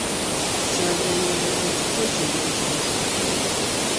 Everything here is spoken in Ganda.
Kyagulanyi agamba nti kkooti eri ku kigezo